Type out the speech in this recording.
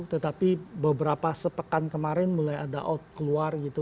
tetapi beberapa sepekan kemarin mulai ada out keluar gitu